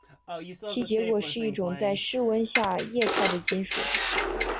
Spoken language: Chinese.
其结果是一种在室温下液态的金属。